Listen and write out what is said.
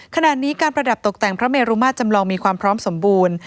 ขณะนี้การประดับตกแต่งพระเมรุมาตรจำลองมีความพร้อมสมบูรณ์